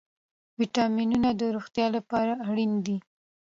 ویټامینونه د روغتیا لپاره اړین دي